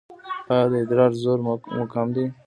ایا د ادرار زور مو کم دی؟